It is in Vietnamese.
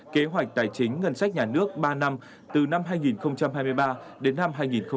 kế hoạch tài chính ngân sách nhà nước ba năm từ năm hai nghìn hai mươi ba đến năm hai nghìn hai mươi năm